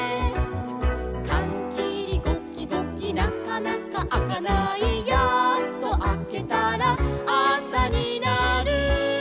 「かんきりゴキゴキなかなかあかない」「やっとあけたらあさになる」